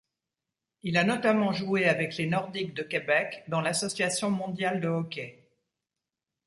Il a notamment joué avec les Nordiques de Québec dans l’Association mondiale de hockey.